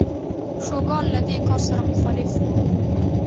شوګان له دې کار سره مخالف و.